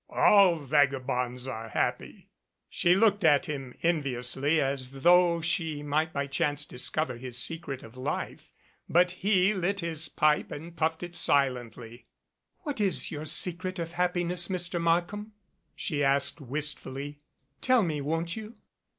"All vagabonds are happy." She looked at him enviously as though she might by chance discover his secret of life, but he lit his pipe and puffed at it silently. "What is your secret of happiness, Mr. Markham?" she asked wistfully. "Tell me, won't you?"